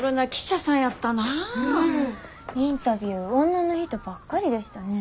インタビュー女の人ばっかりでしたね。